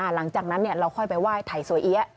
หลังจากนั้นเราค่อยไปไหว้ไถ่สวยเอี๊ยะ